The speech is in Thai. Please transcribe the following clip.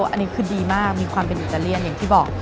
อันนี้คือดีมากมีความเป็นอิตาเลียนอย่างที่บอก